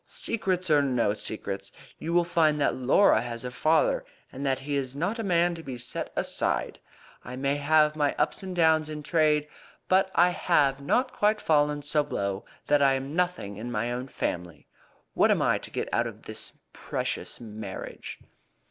Secrets or no secrets, you will find that Laura has a father, and that he is not a man to be set aside. I may have had my ups and downs in trade, but I have not quite fallen so low that I am nothing in my own family. What am I to get out of this precious marriage?"